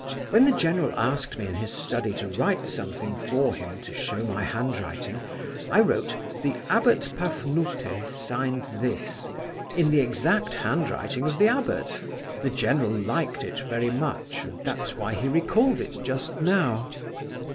When the general asked me, in his study, to write something for him, to show my handwriting, I wrote 'The Abbot Pafnute signed this,' in the exact handwriting of the abbot. The general liked it very much, and that's why he recalled it just now."